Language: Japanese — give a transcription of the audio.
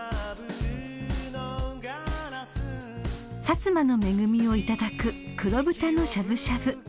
［薩摩の恵みをいただく黒豚のしゃぶしゃぶ］